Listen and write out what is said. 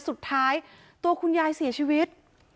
สุดท้ายตัวคุณยายเสียชีวิต